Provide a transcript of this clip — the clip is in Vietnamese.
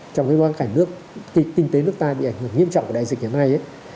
trong cái bối quan cảnh nước kinh tế nước ta bị ảnh hưởng nghiêm trọng của đại dịch hiện nay